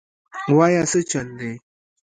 وايه سه چل دې.